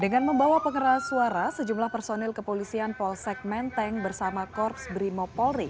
dengan membawa penggeras suara sejumlah personil kepolisian polsek menteng bersama korps brimopoli